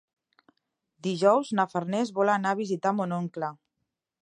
Dijous na Farners vol anar a visitar mon oncle.